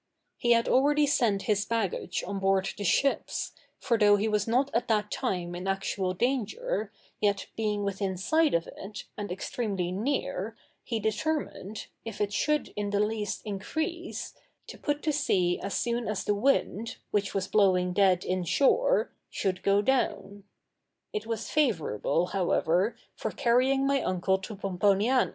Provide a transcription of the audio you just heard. He had already sent his baggage on board the ships, for though he was not at that time in actual danger, yet being within sight of it, and extremely near, he determined, if it should in the least increase, to put to sea as soon as the wind, which was blowing dead in shore, should go down.